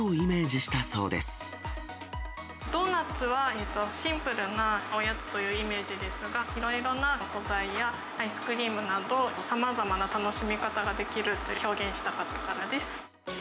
ドーナツはシンプルなおやつというイメージですが、いろいろな素材やアイスクリームなど、さまざまな楽しみ方ができると表現したかったからです。